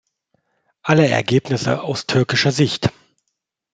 Alle Ergebnisse aus türkischer Sicht.